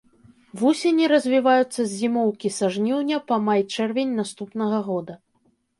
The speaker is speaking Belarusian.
Вусені развіваюцца з зімоўкі са жніўня па май-чэрвень наступнага года.